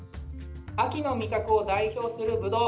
秋の味覚を代表するぶどう。